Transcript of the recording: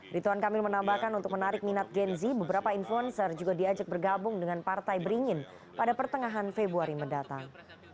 rituan kamil menambahkan untuk menarik minat genzi beberapa influencer juga diajak bergabung dengan partai beringin pada pertengahan februari mendatang